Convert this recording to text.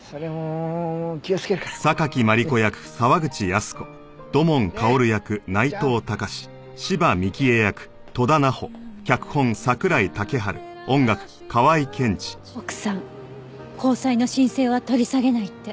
奥さん公災の申請は取り下げないって。